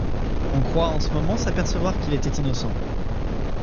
On croit en ce moment s'apercevoir qu'il était innocent.